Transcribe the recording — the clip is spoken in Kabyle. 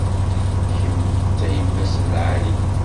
Kemm d tayemmat n lεali.